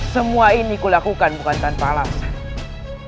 semua ini kulakukan bukan tanpa alasan